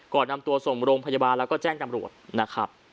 ก่อนนำตัวส่งโรงพยาบาลแล้วก็แจ้งตำรวจนะครับ